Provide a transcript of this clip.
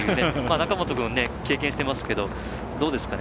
中本君、経験していますけどどうですかね。